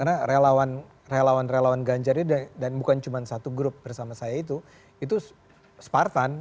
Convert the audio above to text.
karena relawan relawan ganjar itu dan bukan cuma satu grup bersama saya itu itu spartan